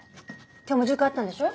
今日も塾あったんでしょ。